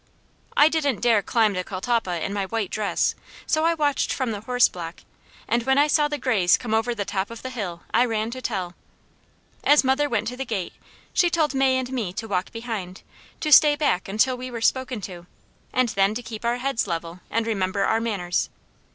I didn't dare climb the catalpa in my white dress, so I watched from the horse block, and when I saw the grays come over the top of the hill, I ran to tell. As mother went to the gate, she told May and me to walk behind, to stay back until we were spoken to, and then to keep our heads level, and remember our manners.